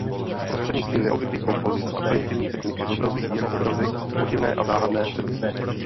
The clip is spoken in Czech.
Prostřednictvím neobvyklých kompozic a primitivní techniky zobrazují jeho obrazy podivné a záhadné předměty.